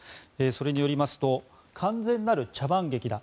それによりますと完全なる茶番劇だ